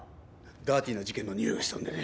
ダーティーな事件のにおいがしたんでね。